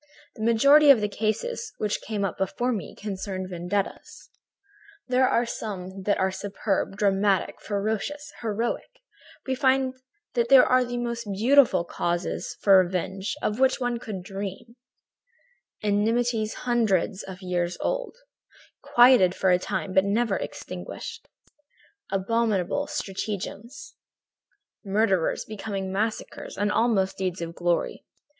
"The majority of the cases which came up before me concerned vendettas. There are some that are superb, dramatic, ferocious, heroic. We find there the most beautiful causes for revenge of which one could dream, enmities hundreds of years old, quieted for a time but never extinguished; abominable stratagems, murders becoming massacres and almost deeds of glory.